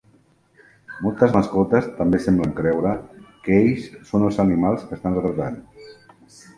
Moltes mascotes també semblen creure que ells són els animals que estan retratant.